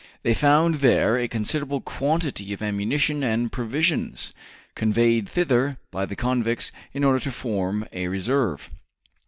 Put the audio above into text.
They found there a considerable quantity of ammunition and provisions, conveyed thither by the convicts in order to form a reserve.